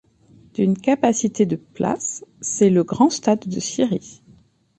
D'une capacité de places, c'est le grand stade de Syrie.